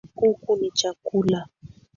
Kuku ni chakula